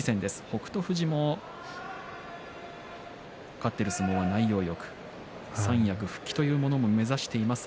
富士も勝っている相撲は内容がよく、三役復帰も目指しています。